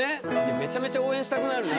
めちゃめちゃ応援したくなるな。